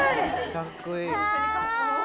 かっこいい。